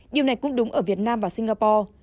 điều này cũng đúng ở việt nam và singapore